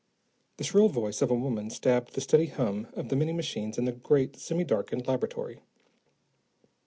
The shrill voice of a woman stabbed the steady hum of the many machines in the great, semi darkened laboratory.